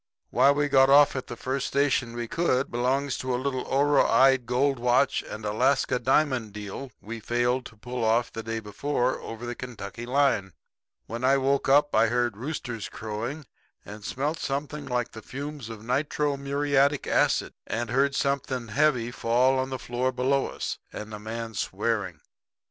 Why we got off at the first station we could, belongs to a little oroide gold watch and Alaska diamond deal we failed to pull off the day before, over the Kentucky line. "When I woke up I heard roosters crowing, and smelt something like the fumes of nitro muriatic acid, and heard something heavy fall on the floor below us, and a man swearing.